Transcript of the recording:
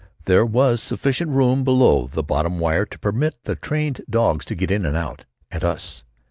There was sufficient room below the bottom wire to permit the trained camp dogs to get in and out at us.